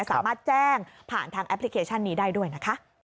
สามารถแจ้งผ่านทางแอปพลิเคชันนี้ได้ด้วยนะคะ